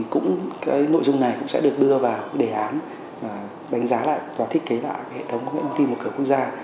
cái nội dung này cũng sẽ được đưa vào đề án đánh giá lại và thiết kế lại hệ thống công nghệ công ty một cửa quốc gia